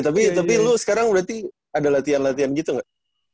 tapi lu sekarang berarti ada latihan latihan gitu nggak